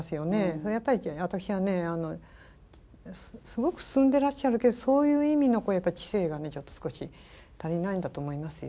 それはやっぱり私はねすごく進んでらっしゃるけどそういう意味の知性がちょっと少し足りないんだと思いますよ。